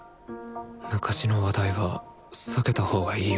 昔の話題は避けたほうがいいよ